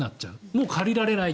もう借りられない。